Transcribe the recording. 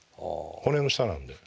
骨の下なんで。